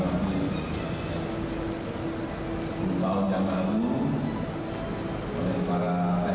kemungkinan permukaan abuses tersebut bahkan mengatasi intigtanzi hendukas terrorismo kunceven